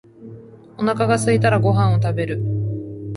お腹がすいたらご飯を食べる。